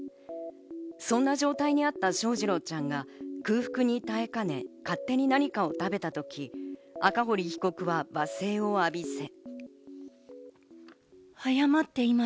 そんな状態にあった翔士郎ちゃんが、空腹に耐えかね勝手に何かを食べたとき、赤堀被告は罵声を浴びせ。